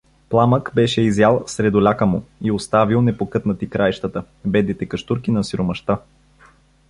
Пламък беше изял средуляка му и оставил непокътнати краищата, бедните къщурки на сиромашта.